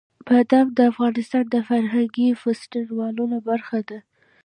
بادام د افغانستان د فرهنګي فستیوالونو برخه ده.